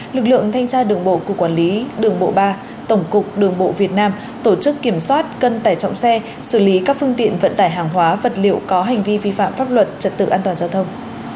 lực lượng thanh tra đường bộ cục quản lý đường bộ ba tổng cục đường bộ việt nam tổ chức kiểm soát cân tải trọng xe xử lý các phương tiện vận tải hàng hóa vật liệu có hành vi vi phạm pháp luật trật tự an toàn giao thông